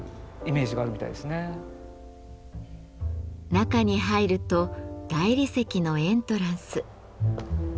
中に入ると大理石のエントランス。